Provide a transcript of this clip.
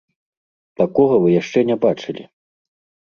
Такога вы яшчэ не бачылі!